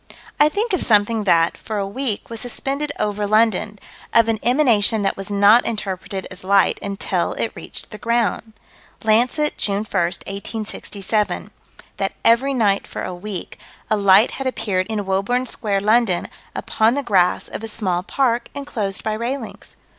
I think of something that, for a week, was suspended over London: of an emanation that was not interpreted as light until it reached the ground. Lancet, June 1, 1867: That every night for a week, a light had appeared in Woburn Square, London, upon the grass of a small park, enclosed by railings.